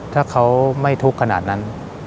ถ้าเขาไม่ทุกข์ขนาดนั้น